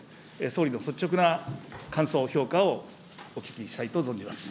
総理の率直な感想、評価をお聞きしたいと存じます。